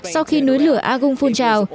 sau khi núi lửa agung phun trào